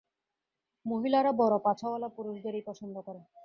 মহিলারা বড় পাছাওয়ালা পুরুষদেরই পছন্দ করে!